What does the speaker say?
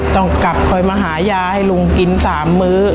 ต้องกลับคอยมาหายาให้ลุงกิน๓มื้อ